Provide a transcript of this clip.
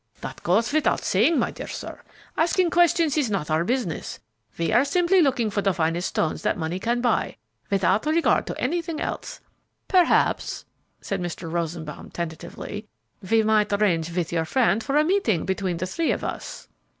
"That goes without saying, my dear sir; asking questions is not our business. We are simply looking for the finest stones that money can buy, without regard to anything else. Perhaps," added Mr. Rosenbaum, tentatively, "we might arrange with your friend for a meeting between the three of us."